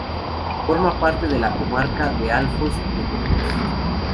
Forma parte de la comarca de Alfoz de Burgos.